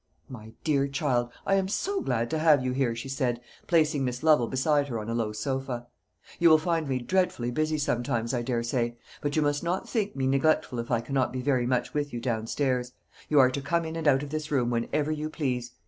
"My dear child, I am so glad to have you here," she said, placing Miss Lovel beside her on a low sofa. "You will find me dreadfully busy sometimes, I daresay; but you must not think me neglectful if I cannot be very much with you downstairs. You are to come in and out of this room whenever you please.